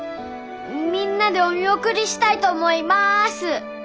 みんなでお見送りしたいと思います。